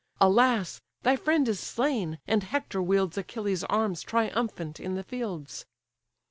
Alas! thy friend is slain, and Hector wields Achilles' arms triumphant in the fields."